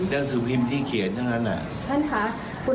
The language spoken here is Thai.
หนังสือพิมพ์ที่เขียนทั้งนั้น